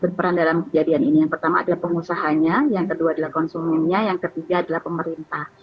berperan dalam kejadian ini yang pertama adalah pengusahanya yang kedua adalah konsumennya yang ketiga adalah pemerintah